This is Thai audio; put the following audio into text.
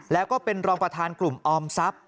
แล้วก็เป็นรองประธานกลุ่มออมทรัพย์